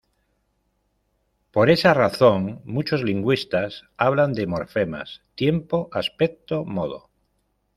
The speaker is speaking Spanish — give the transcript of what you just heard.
Por esa razón, muchos lingüistas hablan de morfemas tiempo-aspecto-modo.